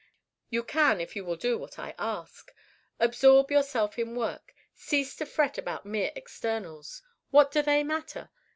"You can if you will do what I ask. Absorb yourself in work; cease to fret about mere externals. What do they matter?